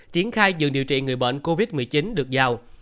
triển khai dường điều trị người bệnh covid một mươi chín được giao